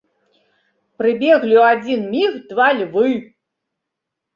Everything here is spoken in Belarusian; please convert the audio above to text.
Прыбеглі ў адзін міг два львы.